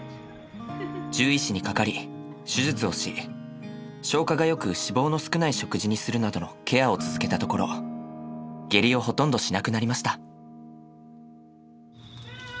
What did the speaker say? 獣医師にかかり手術をし消化がよく脂肪の少ない食事にするなどのケアを続けたところ下痢をほとんどしなくなりました。